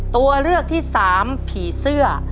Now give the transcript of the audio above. ตัวเลือกที่สามผีเสื้อ